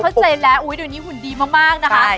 อ๋อเข้าใจแล้วอุ๊ยตอนนี้หุ่นดีมากนะคะ